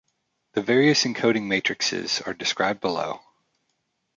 The various encoding matrixes are described below.